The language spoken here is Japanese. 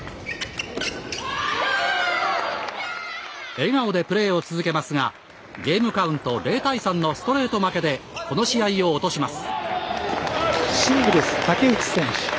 笑顔でプレーを続けますがゲームカウント０対３のストレート負けでこの試合を落とします。